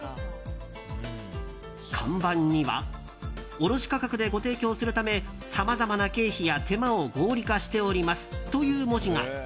看板には卸価格でご提供するためさまざまな経費や手間を合理化しておりますという文字が。